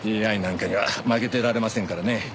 ＡＩなんかには負けていられませんからね。